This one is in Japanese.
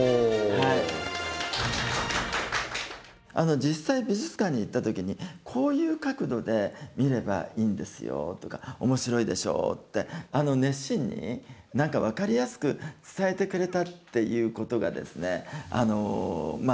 実際美術館に行った時にこういう角度で見ればいいんですよとかおもしろいでしょうってあの熱心に何か分かりやすく伝えてくれたっていうことがですねまあ